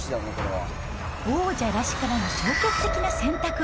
王者らしからぬ消極的な選択。